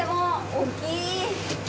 大きい！